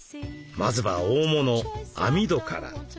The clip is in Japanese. まずは大物網戸から。